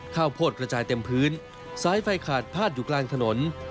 ข้าวโพดกระจายเต็มพื้นสายไฟขาดพาดอยู่กลางถนน